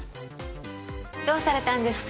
どうされたんですか？